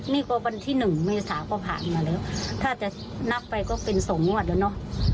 นี่ก็วันที่หนึ่งเมษาก็ผ่านมาแล้วถ้าจะนับไปก็เป็นสองงวดแล้วเนอะ